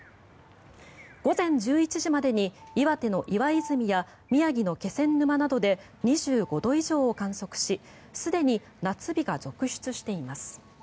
午前１１時までに岩手の岩泉や宮城の気仙沼などで２５度以上を観測しすでに夏日が続出しています。